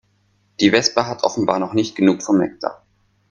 Die Wespe hat offenbar noch nicht genug vom Nektar.